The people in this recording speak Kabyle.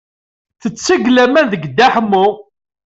Tetteg laman deg Dda Ḥemmu.